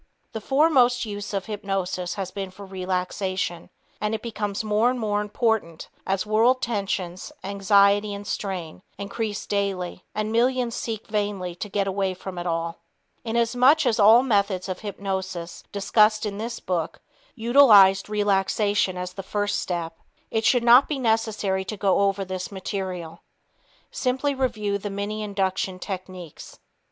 The foremost use of hypnosis has been for relaxation, and it becomes more and more important as world tensions, anxiety and strain increase daily and millions seek vainly to "get away from it all." Inasmuch as all methods of hypnosis discussed in this book utilized relaxation as the first step, it should not be necessary to go over this material. Simply review the many induction techniques.